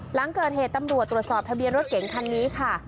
หลังเกิดเหตุตำรวจตรวจสอบทะเบียนรถเก๋งคันนี้ค่ะ